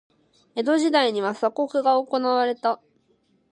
江戸時代には鎖国が行われた。